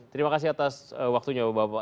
terima kasih atas waktunya bapak bapak